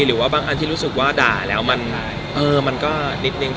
หรือว่าบางอันที่รู้สึกว่าด่าแล้วมันก็นิดนึง